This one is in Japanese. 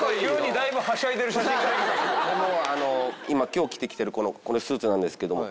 今今日着てきてるこのスーツなんですけども。